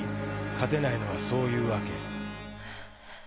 勝てないのはそういうわけ。